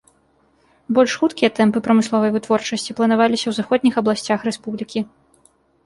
Больш хуткія тэмпы прамысловай вытворчасці планаваліся ў заходніх абласцях рэспублікі.